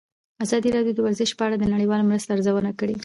ازادي راډیو د ورزش په اړه د نړیوالو مرستو ارزونه کړې.